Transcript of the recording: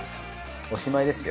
おしまいですよ。